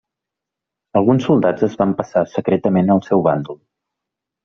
Alguns soldats es van passar secretament al seu bàndol.